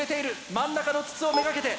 真ん中の筒を目がけて。